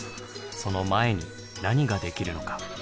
その前に何ができるのか。